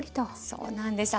そうなんですね。